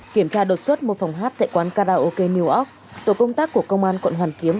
kiểm tra đột xuất một phòng hát tại quán karaoke new ork tổ công tác của công an quận hoàn kiếm